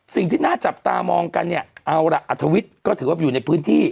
สิ่งที่น่าจับตามองกันเนี่ยเอาล่ะอัธวิทย์ก็ถือว่าอยู่ในพื้นที่